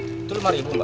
itu rp lima mbak